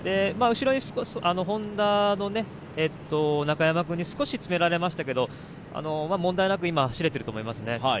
後ろにＨｏｎｄａの中山君に少し詰められましたけど、問題なく今走れていると思います。